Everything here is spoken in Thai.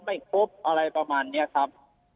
ไม่ครบอะไรประมาณนี้ครับ